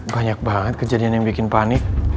banyak banget kejadian yang bikin panik